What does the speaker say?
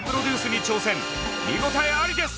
見応えありです！